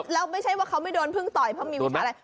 แล้วไม่ใช่ว่าเขาไม่โดนพึ่งต่อยเพราะมีวิชาอะไร